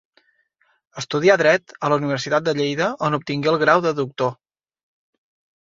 Estudià dret a la Universitat de Lleida on obtingué el grau de doctor.